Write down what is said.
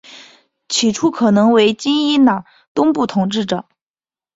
起初可能为今伊朗东部统治者。